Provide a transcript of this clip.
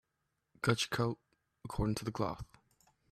Cut your coat according to the cloth.